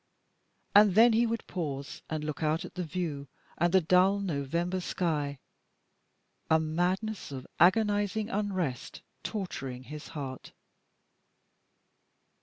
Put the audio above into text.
And then he would pause, and look out at the view, and the dull November sky, a madness of agonising unrest torturing his heart.